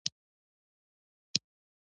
ډرامه باید انسانان انسانیت ته راوبولي